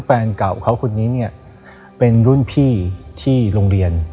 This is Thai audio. แฟนเก่าเขาคนนี้เนี่ยเป็นรุ่นพี่ที่โรงเรียน